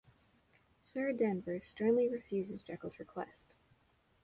Sir Danvers sternly refuses Jekyll's request.